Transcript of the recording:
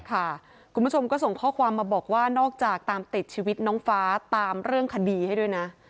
คุณผู้ชมก็ส่งข้อความมาบอกว่านอกจากตามติดชีวิตน้องฟ้าตามเรื่องคดีให้ด้วยนะ